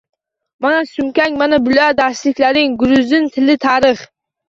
Mana sumkang, mana bular darsliklaring – guruzin tili, tarix…